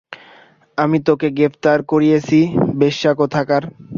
আমি তোকে গ্রেফতার করিয়েছি বেশ্যা কোথাকার।